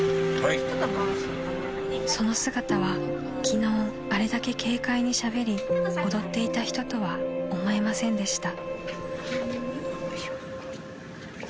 ［その姿は昨日あれだけ軽快にしゃべり踊っていた人とは思えませんでした］